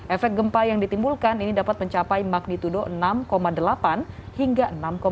efek gempa yang ditimbulkan ini dapat mencapai magnitudo enam delapan hingga enam tujuh